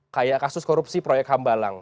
kayak kasus korupsi proyek hambalang